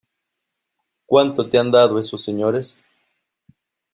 ¿ cuánto te han dado esos señores?